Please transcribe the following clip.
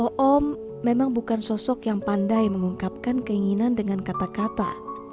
⁇ oom memang bukan sosok yang pandai mengungkapkan keinginan dengan kata kata